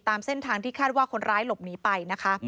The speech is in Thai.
ตามเส้นทางที่คาดว่าคนร้ายหลบหนีไปนะคะ